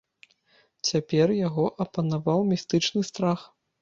Цяпер яго апанаваў містычны страх.